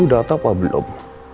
udah tau apa belum